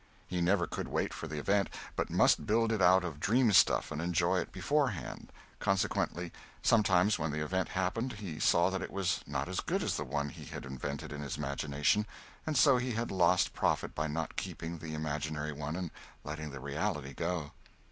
He never could wait for the event, but must build it out of dream stuff and enjoy it beforehand consequently sometimes when the event happened he saw that it was not as good as the one he had invented in his imagination, and so he had lost profit by not keeping the imaginary one and letting the reality go.